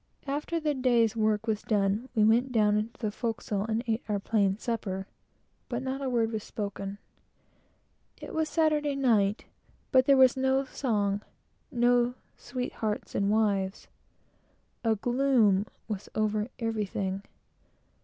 After the day's work was done, we went down into the forecastle, and ate our plain supper; but not a word was spoken. It was Saturday night; but there was no song no "sweethearts and wives." A gloom was over everything.